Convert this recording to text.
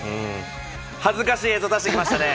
恥ずかしい映像、出してきましたね。